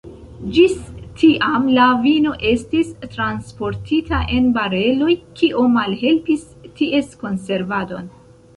Ĝis tiam la vino estis transportita en bareloj, kio malhelpis ties konservadon.